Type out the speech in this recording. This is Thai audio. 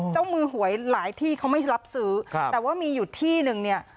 เจ้ามือหวยหลายที่เขาไม่รับซื้อแต่ว่ามีอยู่ที่หนึ่งเนี่ย